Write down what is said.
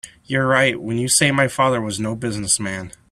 You're right when you say my father was no business man.